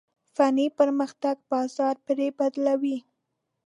فني پرمختګ بازار پرې بدلوي.